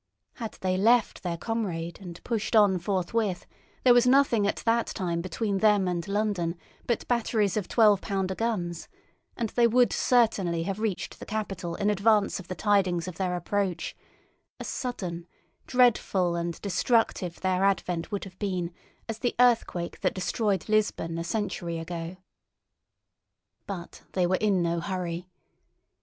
Had they left their comrade and pushed on forthwith, there was nothing at that time between them and London but batteries of twelve pounder guns, and they would certainly have reached the capital in advance of the tidings of their approach; as sudden, dreadful, and destructive their advent would have been as the earthquake that destroyed Lisbon a century ago. But they were in no hurry.